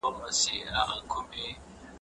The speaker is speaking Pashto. د غریبانو حق ورکړئ.